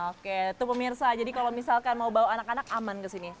oke itu pemirsa jadi kalau misalkan mau bawa anak anak aman kesini